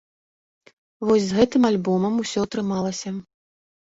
Вось з гэтым альбомам усё атрымалася.